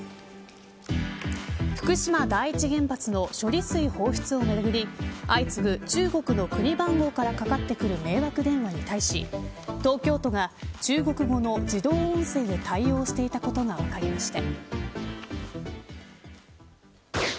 福島第一原発の処理水放出をめぐり相次ぐ、中国の国番号からかかってくる迷惑電話に対し東京都が中国語の自動音声で対応していたことが分かりました。